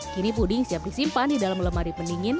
kini puding siap disimpan di dalam lemari pendingin